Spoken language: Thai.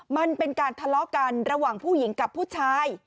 มันเป็นการทะเลาะกันระหว่างผู้หญิงกับผู้ชาย